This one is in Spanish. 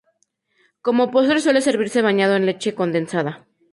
Como postre suele servirse bañado en leche condensada.